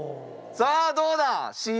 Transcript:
さあどうだ！